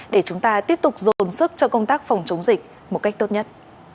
để chúng ta tiếp tục dồn sức cho công tác phòng chống dịch một cách tốt nhất